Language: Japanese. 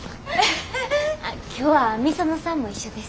今日は御園さんも一緒です。